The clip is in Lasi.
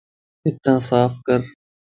ڇتَ صاف ڪَر